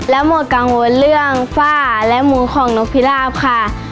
และหมดกังวลเรื่องฝ้าและหมูของนกพิราบค่ะ